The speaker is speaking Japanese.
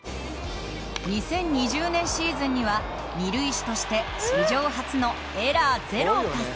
２０２０年シーズンには二塁手として史上初のエラー０を達成。